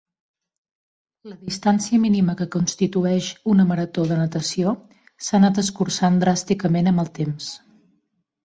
La distància mínima que constitueix una marató de natació s'ha anat escurçant dràsticament amb el temps.